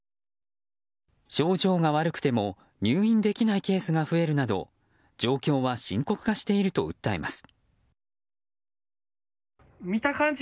症状が悪くても入院できないケースが増えるなど状況は深刻化していると訴えます。